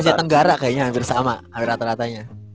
asia tenggara kayaknya hampir sama rata ratanya